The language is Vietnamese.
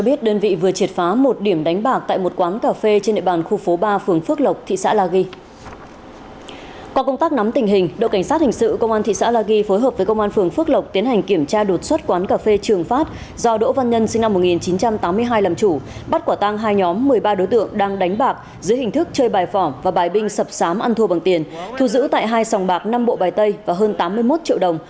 bài binh sập sám ăn thua bằng tiền thu giữ tại hai sòng bạc năm bộ bài tây và hơn tám mươi một triệu đồng